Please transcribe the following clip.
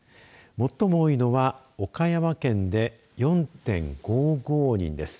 最も多いのは岡山県で４．５５人です。